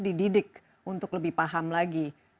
dididik untuk lebih paham lagi